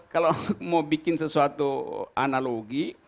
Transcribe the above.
mau bikin sesuatu analogi